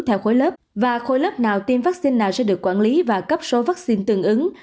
theo khối lớp và khối lớp nào tiêm vaccine nào sẽ được quản lý và cấp số vaccine tương ứng